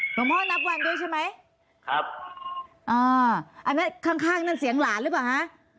หลวงพ่อนับวันด้วยใช่ไหมครับอ่าอันนั้นข้างข้างนั่นเสียงหลานหรือเปล่าฮะ